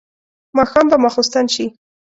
ماښام به ماخستن شي.